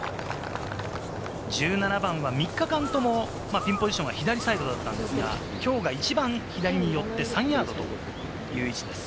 １７番は３日間ともピンポジションは左サイドだったんですが、きょうが一番左に寄って、３ヤードという位置です。